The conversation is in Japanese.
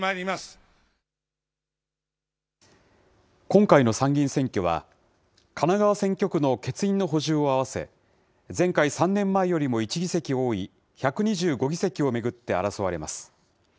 今回の参議院選挙は、神奈川選挙区の欠員の補充を合わせ、前回・３年前よりも１議席多い１２５議席を巡って争われます。